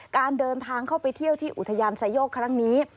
การเดินทางเข้าไปเที่ยวที่อุทยานไซโยกครั้งนี้